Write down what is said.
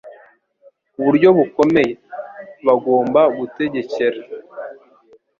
ku buryo bukomeye. Bagomba gutegekera